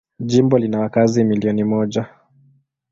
Jimbo lina wakazi milioni moja.